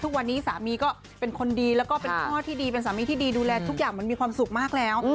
ทุกวันนี้สามีก็เป็นคนดีแล้วก็เป็นพ่อที่ดีเป็นสามีที่ดีดูแลทุกอย่างมันมีความสุขมากแล้ว